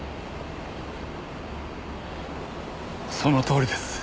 そのとおりです。